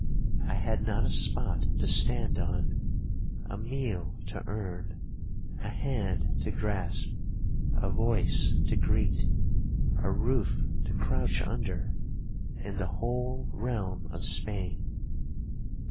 I had not a spot to stand on, a meal to earn, a hand to grasp, a voice to greet, a roof to crouch under, in the whole realm of Spain.